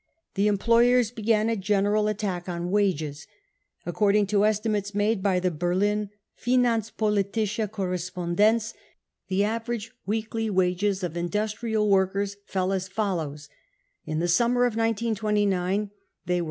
The employers began a general r attack on wages. According to estimates made by the Berlin Finanzpoliiische Korrespondenz the average weekly wages of industrial workers fell as follows : in the summer of 1929, they were 44.